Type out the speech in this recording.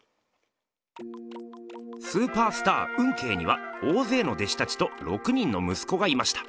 スーパースター運慶には大ぜいの弟子たちと６人の息子がいました。